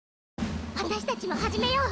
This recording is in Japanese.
私たちも始めよう。